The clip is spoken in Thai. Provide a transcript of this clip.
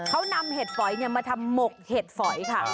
เขานำเห็ดฝอยมาทำหมกเห็ดฝอยค่ะ